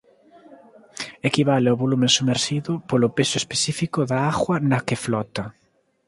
Equivale ó volume somerxido polo peso específico da auga na que flota.